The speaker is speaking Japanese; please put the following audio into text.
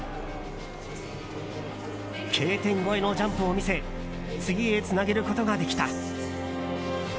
Ｋ点越えのジャンプを見せ次へつなげることができた。